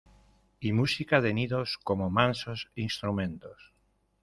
Y música de nidos, como mansos instrumentos.